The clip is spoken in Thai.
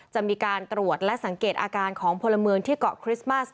จะมีการตรวจและสังเกตอาการของพลเมืองที่เกาะคริสต์มัส